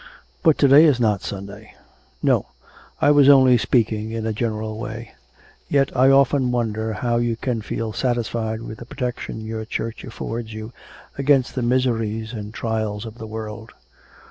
'But to day is not Sunday.' 'No; I was only speaking in a general way. Yet I often wonder how you can feel satisfied with the protection your Church affords you against the miseries and trials of the world.